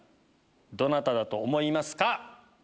どなただと思いますか？